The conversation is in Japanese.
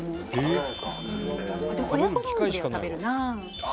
「親子丼は食べるなあ」